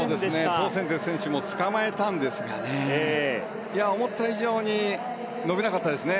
トウ・センテイ選手をつかまえたんですけど思った以上に伸びなかったですね